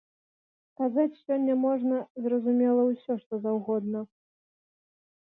Казаць сёння можна, зразумела, усё што заўгодна.